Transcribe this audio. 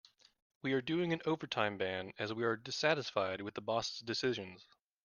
We are doing an overtime ban as we are dissatisfied with the boss' decisions.